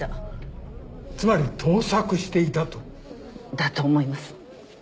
だと思います。